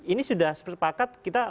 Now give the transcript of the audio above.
ini sudah sepakat kita